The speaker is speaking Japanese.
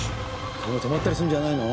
車止まったりするんじゃないの？